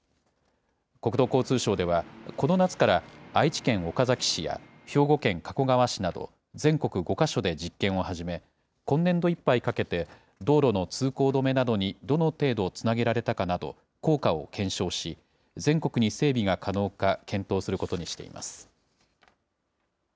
国土交通省では、この夏から愛知県岡崎市や、兵庫県加古川市など、全国５か所で実験を始め、今年度いっぱいかけて、道路の通行止めなどにどの程度つなげられたかなど、効果を検証し、全国に整備が可能か検討することにしています。